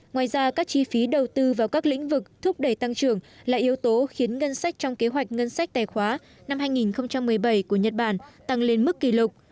ngoài ra các chi phí đầu tư vào các lĩnh vực thúc đẩy tăng trưởng là yếu tố khiến ngân sách trong kế hoạch ngân sách tài khoá năm hai nghìn một mươi bảy của nhật bản tăng lên mức ba mươi hai bốn trăm bảy mươi tỷ yen